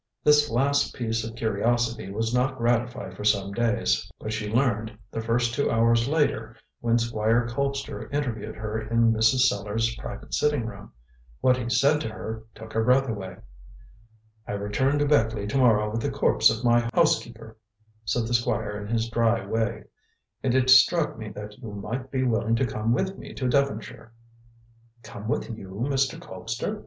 This last piece of curiosity was not gratified for some days, but she learned the first two hours later when Squire Colpster interviewed her in Mrs. Sellars' private sitting room. What he said to her took her breath away. "I return to Beckleigh to morrow with the corpse of my housekeeper," said the Squire in his dry way, "and it struck me that you might be willing to come with me to Devonshire." "Come with you, Mr. Colpster?"